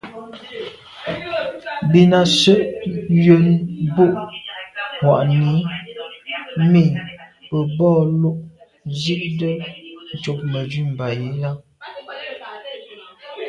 Bìn à’ sə̌’ njən mbu’ŋwà’nǐ mì bə̂ bo lô’ nzi’tə ncob Mə̀dʉ̂mbὰ yi lα.